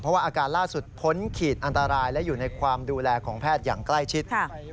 เพราะว่าอาการล่าสุดพ้นขีดอันตรายและอยู่ในความดูแลของแพทย์อย่างใกล้ชิด